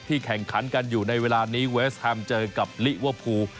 แข่งขันกันอยู่ในเวลานี้เวสแฮมเจอกับลิเวอร์พูล